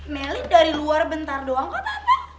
meli dari luar bentar doang kok